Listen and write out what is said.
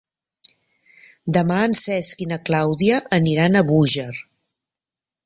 Demà en Cesc i na Clàudia aniran a Búger.